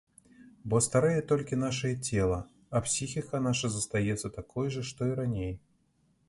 Бо старэе толькі нашае цела, а псіхіка наша застаецца такой жа, што і раней.